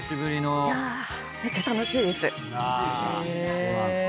そうなんすね。